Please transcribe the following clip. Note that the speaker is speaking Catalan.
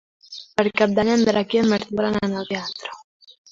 Per Cap d'Any en Drac i en Martí volen anar al teatre.